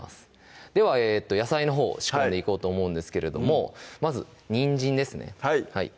では野菜のほう仕込んでいこうと思うんですけれどもまずにんじんですねはい